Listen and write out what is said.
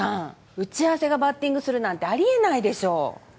打ち合わせがバッティングするなんてあり得ないでしょ！